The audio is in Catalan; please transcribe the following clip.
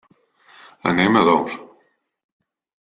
Anem a Ador.